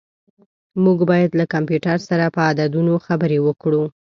موږ باید له کمپیوټر سره په عددونو خبرې وکړو.